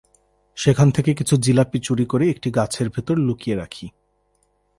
সেখান থেকে কিছু জিলাপি চুরি করে একটি গাছের ভেতর লুকিয়ে রাখি।